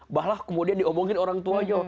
bahlah kemudian diomongin orang tuanya